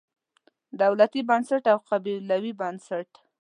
دولتي بنسټ او قبیلوي بنسټ.